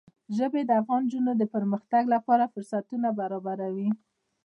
ژبې د افغان نجونو د پرمختګ لپاره فرصتونه برابروي.